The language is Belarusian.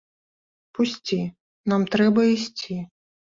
Пусці, нам трэба ісці.